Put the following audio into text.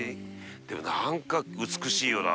任何か美しいよな。